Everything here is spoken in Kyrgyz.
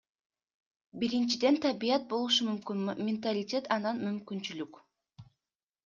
Биринчиден, табият болушу мүмкүн, менталитет, анан мүмкүнчүлүк.